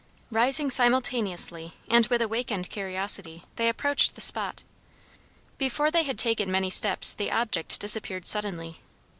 Rising simultaneously and with awakened curiosity they approached the spot. Before they had taken many steps the object disappeared suddenly.